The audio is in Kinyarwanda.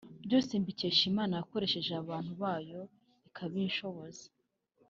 byose mbikesha Imana yakoresheje abantu bayo ikabinshoboza